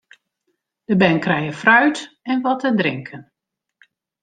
De bern krije fruit en wat te drinken.